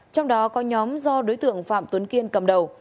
trong đó có nhóm do đối tượng phạm tuấn kiên cầm đầu